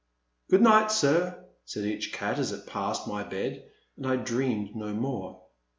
Good night sir," said each cat, as it passed my bed ; and I dreamed no more.